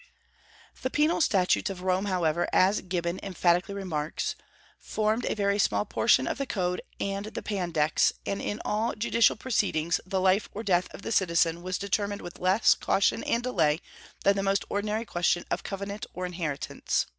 The penal statutes of Rome however, as Gibbon emphatically remarks, "formed a very small portion of the Code and the Pandects; and in all judicial proceedings the life or death of the citizen was determined with less caution and delay than the most ordinary question of covenant or inheritance."